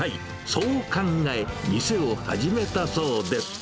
そう考え、店を始めたそうです。